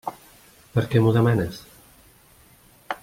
Per què m'ho demanes?